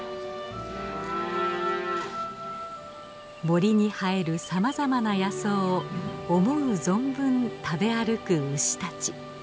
森に生えるさまざまな野草を思う存分食べ歩く牛たち。